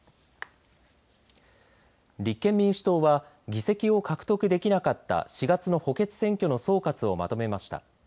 立憲民主党は議席を獲得できなかった４月の補欠選挙の総括をまとめました。